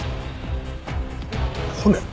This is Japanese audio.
骨？